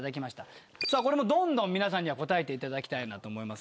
これもどんどん皆さんには答えていただきたいなと思います。